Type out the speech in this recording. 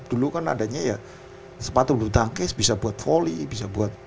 dulu kan adanya ya sepatu bulu tangkis bisa buat volley bisa buat